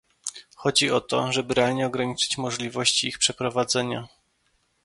Chodzi o to, żeby realnie ograniczyć możliwości ich przeprowadzenia